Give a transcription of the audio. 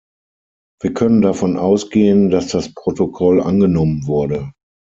Wir können davon ausgehen, dass das Protokoll angenommen wurde.